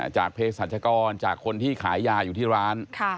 จากเพศสัชกรจากคนที่ขายยาอยู่ที่ร้าน